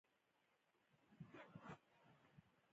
مصنوعي ځیرکتیا د فلسفې معاصر بحث پیاوړی کوي.